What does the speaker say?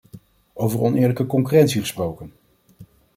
Over oneerlijke concurrentie gesproken!